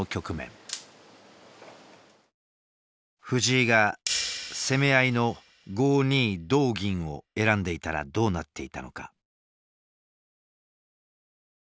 藤井が攻め合いの５二同銀を選んでいたらどうなっていたのか？